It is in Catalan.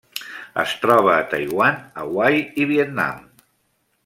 Es troba a Taiwan, Hawaii i Vietnam.